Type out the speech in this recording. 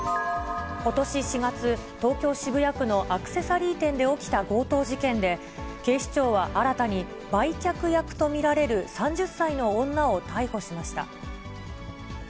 ことし４月、東京・渋谷区のアクセサリー店で起きた強盗事件で、警視庁は新たに売却役と見られる３０歳の女を逮捕しました。